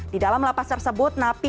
di dalam lapas tersebut napi